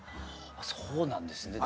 そうなんですね。